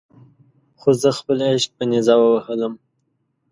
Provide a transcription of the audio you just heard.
خو زه خپل عشق په نیزه ووهلم.